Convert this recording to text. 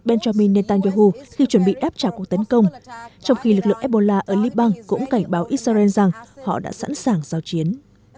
bên trong mỹ nên tàn do hù khi chuẩn bị đáp trả cuộc tấn công trong khi lực lượng ebola ở liban cũng cảnh báo israel rằng họ đã sẵn sàng giao chiến